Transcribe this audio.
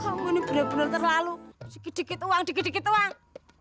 kamu ini benar benar terlalu sedikit uang sedikit uang